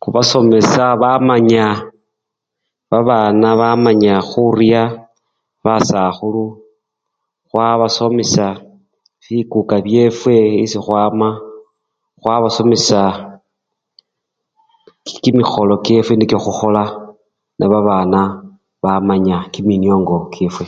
Khubasomesya bamanya! babana bamanya khurya basakhulu, khwabasomesya bikuka byefwe esikhwama khwabasomesya kimikholo kyefwe nikyo khukhola nebabana bamanya kiminiongo kyefwe.